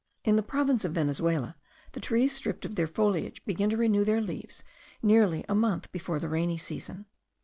In the province of Venezuela the trees stripped of their foliage begin to renew their leaves nearly a month before the rainy season.